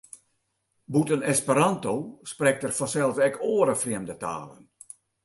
Bûten Esperanto sprekt er fansels ek oare frjemde talen.